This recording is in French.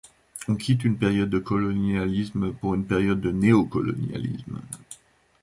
On quitte une période de colonialisme pour une période de néo-colonialisme.